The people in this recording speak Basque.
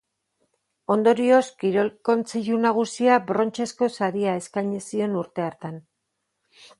Ondorioz, Kirol Kontseilu Nagusiak brontzezko saria eskaini zion urte hartan.